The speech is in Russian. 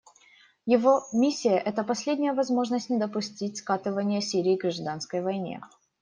Его миссия — это последняя возможность не допустить скатывания Сирии к гражданской войне.